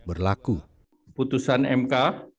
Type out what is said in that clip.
berlaku putusan mk